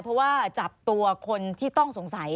เพราะว่าจับตัวคนที่ต้องสงสัย